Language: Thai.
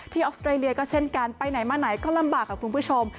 ที่ออเวอร์เตยเลียก็เช่นกันไปไหนก็ลำบากครับคุณผู้ชม